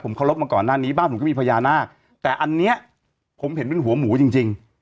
เคารพมาก่อนหน้านี้บ้านผมก็มีพญานาคแต่อันนี้ผมเห็นเป็นหัวหมูจริงจริง